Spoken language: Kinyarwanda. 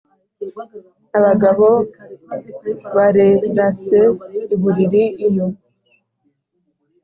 abagabo barerse i buriri iyo.